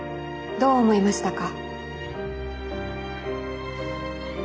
どう思いましたか？